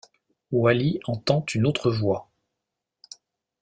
Wally entend une autre voix.